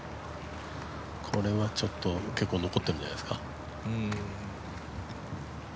これはちょっと、結構残ってるんじゃないですか。